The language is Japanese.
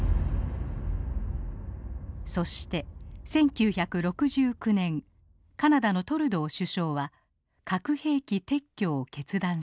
そして１９６９年カナダのトルドー首相は核兵器撤去を決断します。